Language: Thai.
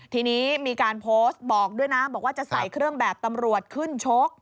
ทีนี้มีการโพสต์บอกด้วยนะบอกว่าจะใส่เครื่องแบบตำรวจขึ้นชก